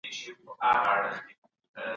مشاورین به ټولو ته برابر حقونه ورکوي.